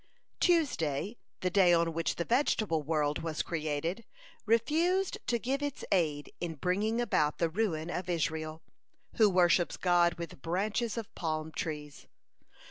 Tuesday, the day on which the vegetable world was created, refused to give its aid in bringing about the ruin of Israel, who worships God with branches of palm trees.